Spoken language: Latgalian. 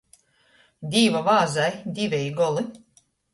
Dīva vāzai diveji goli.